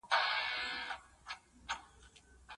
کله د انسان په ژوند کي د نېکمرغۍ رول څرګندېږي؟